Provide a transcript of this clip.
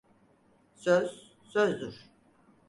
Söz sözdür.